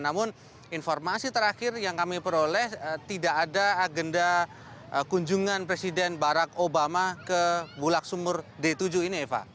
namun informasi terakhir yang kami peroleh tidak ada agenda kunjungan presiden barack obama ke bulak sumur d tujuh ini eva